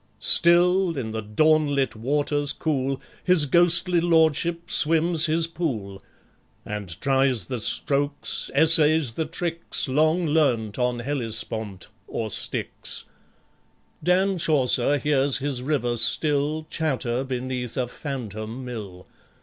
... Still in the dawnlit waters cool His ghostly Lordship swims his pool, And tries the strokes, essays the tricks, Long learnt on Hellespont, or Styx. Dan Chaucer hears his river still Chatter beneath a phantom mill.